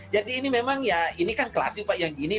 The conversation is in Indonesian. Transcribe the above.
jadi ini memang ya ini kan klasik pak yang gini